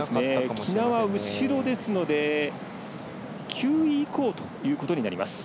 喜納は後ろですので９位以降ということになります。